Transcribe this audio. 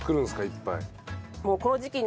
いっぱい。